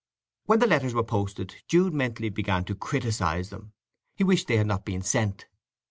When the letters were posted Jude mentally began to criticize them; he wished they had not been sent.